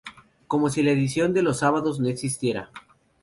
Como si la edición de los sábados no existiera.